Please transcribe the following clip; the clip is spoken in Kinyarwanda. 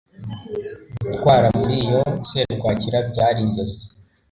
Gutwara muri iyo serwakira byari inzozi.